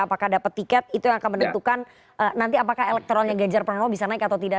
apakah dapat tiket itu yang akan menentukan nanti apakah elektoralnya ganjar pranowo bisa naik atau tidak